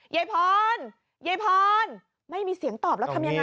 ยายพรยายพรไม่มีเสียงตอบแล้วทำยังไง